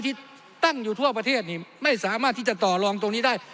ที่ตั้งอยู่ทั่วประเทศไม่สามารถที่จะต่อลองตรงนี้ได้